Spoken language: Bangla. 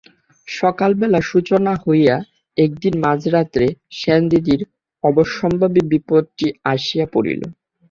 সকালবেলা সূচনা হইয়া একদিন মাঝরাত্রে সেনদিদির অবশ্যম্ভাবী বিপদটি আসিয়া পড়িল।